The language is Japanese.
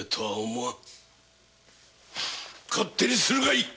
勝手にするがいい！